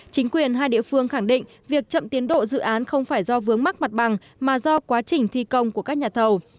chính quyền hai địa phương khẳng định việc chậm tiến độ dự án không phải do vướng mắc mặt bằng mà do quá trình thi công của các nhà thầu